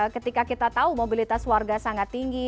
ketika kita tahu mobilitas warga sangat tinggi